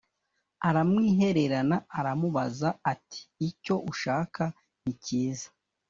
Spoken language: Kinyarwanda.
aramwihererana aramubaza ati Icyo ushaka nikiza